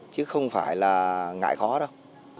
chứ không phải là ngại khó đâu